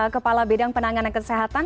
kepala bidang penanganan kesehatan